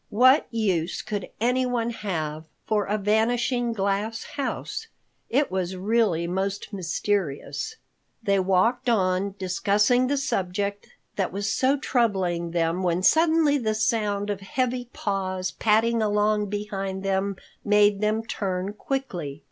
What use could anyone have for a vanishing glass house? It was really most mysterious. They walked on, discussing the subject that was so troubling them when suddenly the sound of heavy paws padding along behind them made them turn quickly.